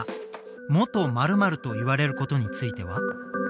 「元○○と言われることについては？」。